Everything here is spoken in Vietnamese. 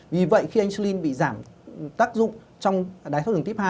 vì vậy khi insulin bị giảm tác dụng trong đài tháo đường tiếp hai